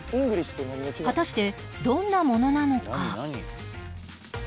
果たしてどんなものなのか？